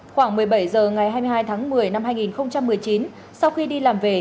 khoảng một mươi bảy h ngày hai mươi hai tháng một mươi năm hai nghìn một mươi chín sau khi đi làm về